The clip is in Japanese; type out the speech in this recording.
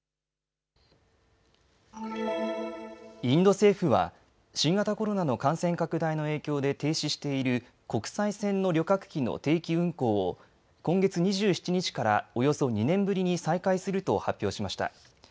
インド政府は新型コロナの感染拡大の影響で停止している国際線の旅客機の定期運航を今月２７日からおよそ２年ぶりに再開すると発表しました。